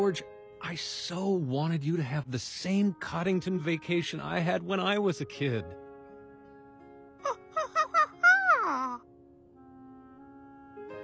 アハハハ。